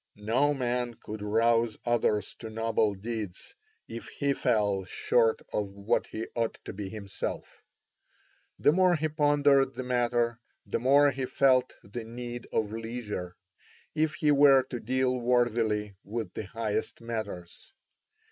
No man could rouse others to noble deeds if he fell short of what he ought to be himself. The more he pondered the matter, the more he felt the need of leisure, if he were to deal worthily with the highest matters.